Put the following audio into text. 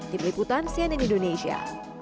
tim liputan cnn indonesia